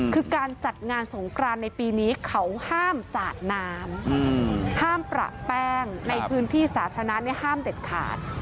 คือการจัดงานสงกรานในปีนี้เขาห้ามสาดน้ำห้ามประแป้งในพื้นที่สาธารณะห้ามเด็ดขาด